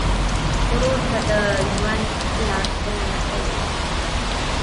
ورور ته د ژوند لارښوونه کوې.